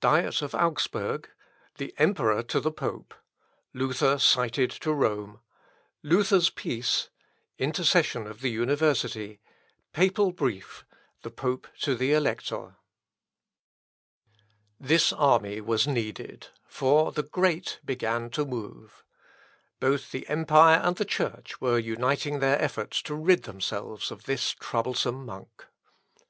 Diet at Augsburg The Emperor to the Pope The Elector to Rovere Luther cited to Rome Luther's Peace Intercession of the University Papal Brief Luther's Indignation The Pope to the Elector. This army was needed; for the great began to move. Both the empire and the Church were uniting their efforts to rid themselves of this troublesome monk.